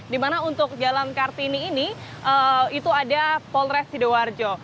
di mana untuk jalan kartini ini itu ada polres sidoarjo